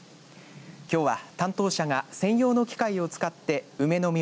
きょうは担当者が専用の機械を使って梅の実